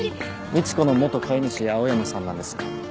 みちこの元飼い主青山さんなんです。